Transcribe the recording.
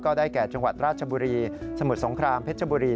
ได้แก่จังหวัดราชบุรีสมุทรสงครามเพชรบุรี